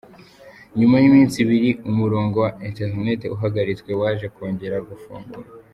Nyuma y’iminsi ibiri umurongo wa internet uhagaritswe waje kongera gufungurwa.